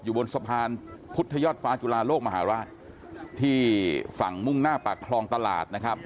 บนสะพานพุทธยอดฟ้าจุฬาโลกมหาราชที่ฝั่งมุ่งหน้าปากคลองตลาดนะครับ